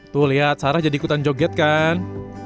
tuh lihat sarah jadi ikutan joget kan